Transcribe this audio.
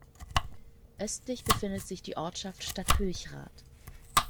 Östlich befindet sich die Ortschaft Stadt Hülchrath.